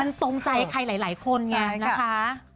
มันตรงใจใครหลายคนไงนะคะ